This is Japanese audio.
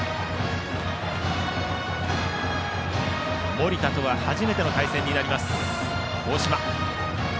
盛田とは初めての対戦になります、大島。